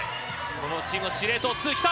このチームの司令塔、きた。